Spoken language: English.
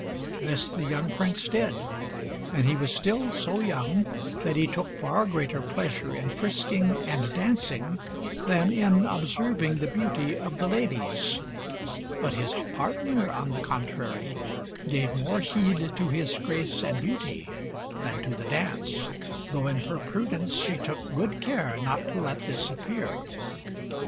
This the young Prince did; and he was still so young that he took far greater pleasure in frisking and dancing than in observing the beauty of the ladies. But his partner, on the contrary, gave more heed to his grace and beauty than to the dance, though in her prudence she took good care not to let this appear.